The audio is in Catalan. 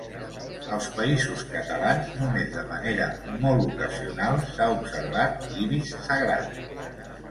Als Països Catalans només de manera molt ocasional s'ha observat l'ibis sagrat.